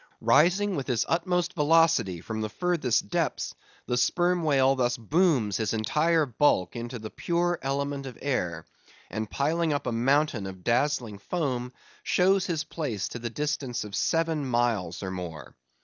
Rising with his utmost velocity from the furthest depths, the Sperm Whale thus booms his entire bulk into the pure element of air, and piling up a mountain of dazzling foam, shows his place to the distance of seven miles and more.